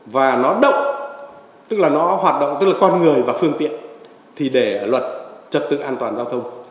và nó động tức là nó hoạt động tức là con người và phương tiện thì để luật trật tự an toàn giao thông